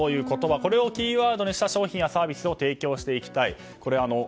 これをキーワードにした商品やサービスを提供していきたい。